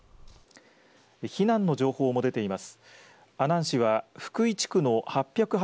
避難の情報も出ています。